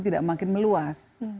tidak makin meluas